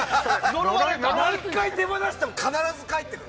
何回手放しても返ってくる。